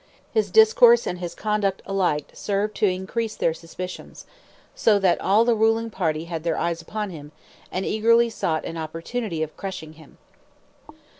His discourse and his conduct alike served to increase their suspicions, so that all the ruling party had their eyes upon him, and eagerly sought an opportunity of crushing him.